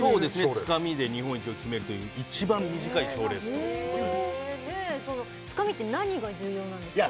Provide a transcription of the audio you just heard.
つかみで日本一を決めるといういちばん短い賞レースとつかみって何が重要なんですか？